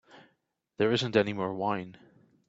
There isn't any more wine.